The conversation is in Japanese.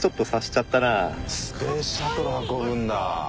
スペースシャトル運ぶんだ。